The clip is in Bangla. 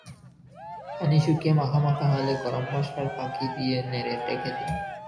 পানি শুকিয়ে মাখা মাখা হলে গরমমসলার ফাঁকি দিয়ে নেড়ে ঢেকে দিন।